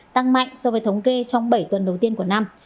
tăng mạnh so với thống kê trong bảy tuần đầu tiên của năm